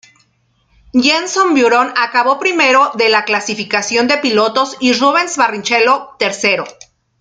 Jenson Button acabó primero de la clasificación de pilotos y Rubens Barrichello, tercero.